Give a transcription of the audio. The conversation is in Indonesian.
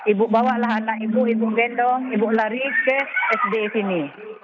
ibu bawa lah anak ibu ibu gendong ibu lari ke sdf ini